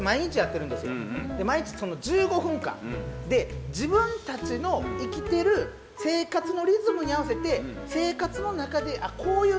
毎日その１５分間で自分たちの生きてる生活のリズムに合わせて生活の中であっこういうドラマあるんやっていう。